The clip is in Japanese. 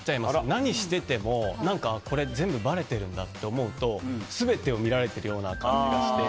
何しててもこれ全部ばれてるんだって思うと全てを見られてるような感じがして。